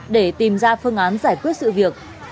để tìm ra phương án giải quyết sự việc